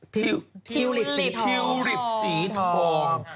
ผิวหลิบสีทอง